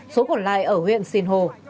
số còn lại ở huyện sinh hồ